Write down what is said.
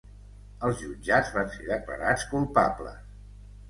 Els jutjats van ser declarats culpables.